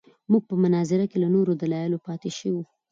موږ په مناظره کې له نورو دلایلو پاتې شوو.